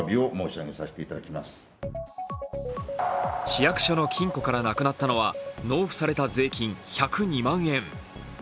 市役所の金庫からなくなったのは納付された税金１０２万円。